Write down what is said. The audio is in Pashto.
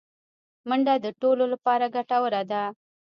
منډه د ټولو لپاره ګټوره ده